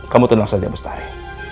kamu tenang saja pesari